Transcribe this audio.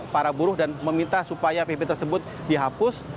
para buruh dan meminta supaya pp tersebut dihapus